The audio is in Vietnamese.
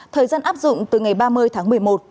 thời gian áp dụng từ ngày ba mươi tháng một mươi một